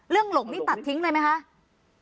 เรื่องหลงนี้ตัดทิ้งเลยไหมคะ